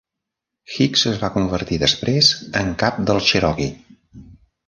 Hicks es va convertir després en cap dels Cherokee.